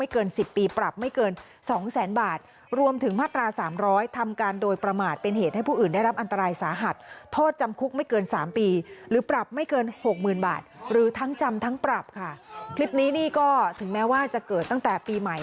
คลิปนี้ก็ถึงแม้ว่าจะเกิดตั้งแต่ปีใหม่